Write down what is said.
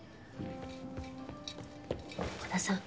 鼓田さん。